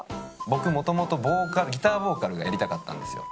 僕、もともとギターボーカルがやりたかったんですよ。